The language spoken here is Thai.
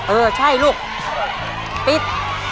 เออใช่ลูกปิ๊ด